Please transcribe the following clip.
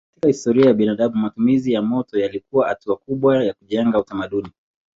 Katika historia ya binadamu matumizi ya moto yalikuwa hatua kubwa ya kujenga utamaduni.